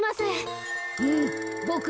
うんボク